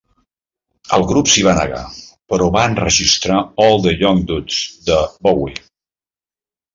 El grup s'hi va negar, però va enregistrar "All the Young Dudes" de Bowie.